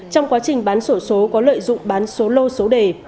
trong quá trình bán sổ số có lợi dụng bán số lô số đề